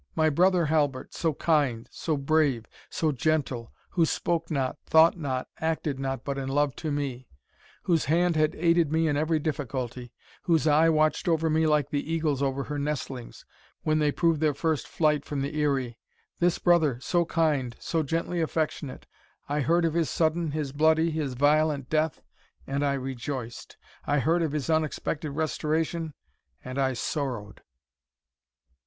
"My brother Halbert so kind, so brave, so gentle, who spoke not, thought not, acted not, but in love to me, whose hand had aided me in every difficulty, whose eye watched over me like the eagle's over her nestlings, when they prove their first flight from the eyry this brother, so kind, so gently affectionate I heard of his sudden, his bloody, his violent death, and I rejoiced I heard of his unexpected restoration, and I sorrowed!"